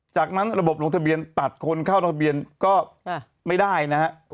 จากนั้นระบบลงทะเบียนตัดคนเข้าทะเบียนก็ไม่ได้นะฮะ